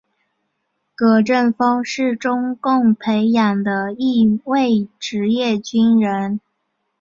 葛振峰是中共培养的一位职业军人。